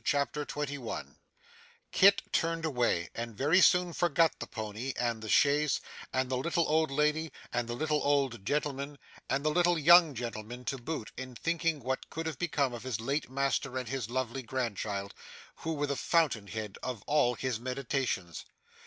CHAPTER 21 Kit turned away and very soon forgot the pony, and the chaise, and the little old lady, and the little old gentleman, and the little young gentleman to boot, in thinking what could have become of his late master and his lovely grandchild, who were the fountain head of all his meditations.